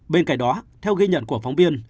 bên cạnh đó theo ghi nhận của phóng viên